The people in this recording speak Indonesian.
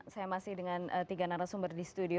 saya masih dengan tiga narasumber di studio